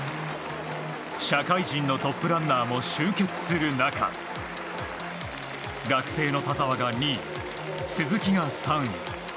社会人のトップランナーも集結する中学生の田澤が２位鈴木が３位。